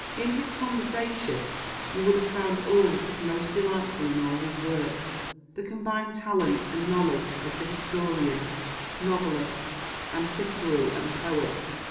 In his conversation you would have found all that is most delightful in all his works the combined talent and knowledge of the historian, novelist, antiquary, and poet.